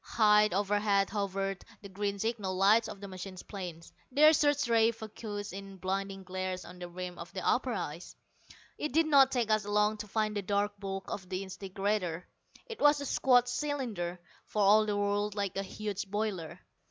High overhead hovered the green signal lights of the machine planes, their search rays focussed in blinding glares on the rim of the upper ice. It did not take us long to find the dark bulk of the disintegrator. It was a squat cylinder, for all the world like a huge boiler.